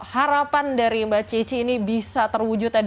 harapan dari mbak ceci ini bisa terwujud